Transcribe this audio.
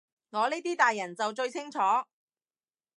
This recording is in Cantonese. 我呢啲大人就最清楚